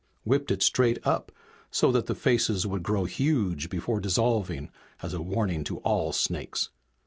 Whipped it straight up, so that the faces would grow huge before dissolving as a warning to all snakes.